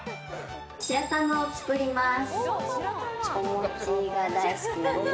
白玉を作ります！